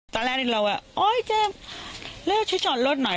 ตอนแรกเราก็โอ๊ยเจมส์เลือกชุดชอบรถหน่อย